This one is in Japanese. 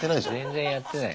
全然やってない。